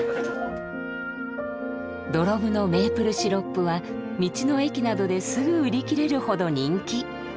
土呂部のメープルシロップは道の駅などですぐ売り切れるほど人気。